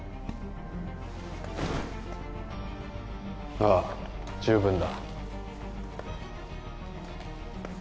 ああ十分だ